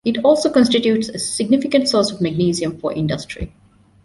It also constitutes a significant source of magnesium for industry.